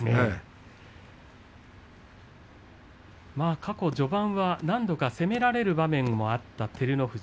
過去、序盤は何度か攻められる場面もあった照ノ富士。